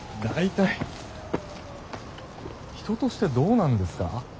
大体人としてどうなんですか？